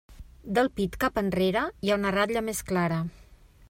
Del pit cap enrere hi ha una ratlla més clara.